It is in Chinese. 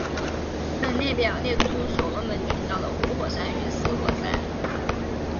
本列表列出所罗门群岛的活火山与死火山。